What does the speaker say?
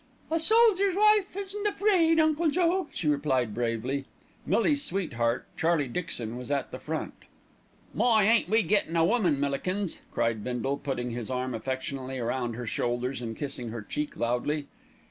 "A soldier's wife isn't afraid, Uncle Joe," she replied bravely. Millie's sweetheart, Charlie Dixon, was at the front. "My! ain't we gettin' a woman, Millikins," cried Bindle, putting his arm affectionately round her shoulders and kissing her cheek loudly.